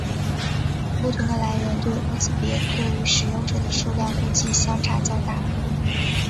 不同的来源对乌兹别克语使用者的数量估计相差较大。